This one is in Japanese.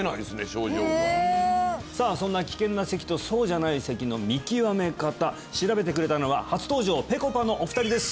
症状がさあそんな危険な咳とそうじゃない咳の見極め方調べてくれたのは初登場ぺこぱのお二人です